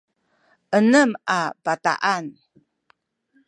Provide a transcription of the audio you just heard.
enem a bataan